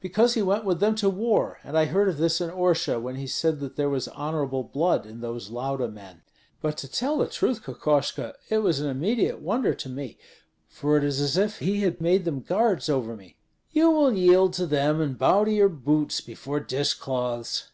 "Because he went with them to war, and I heard of this in Orsha, when he said that there was honorable blood in those Lauda men. But to tell the truth, Kokoshko, it was an immediate wonder to me, for it is as if he had made them guards over me." "You will yield to them and bow to your boots before dish cloths."